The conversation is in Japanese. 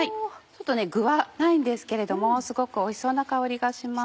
具はないんですけれどもすごくおいしそうな香りがします。